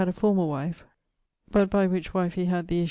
| former wife: but by which wife he had Surrey, esq.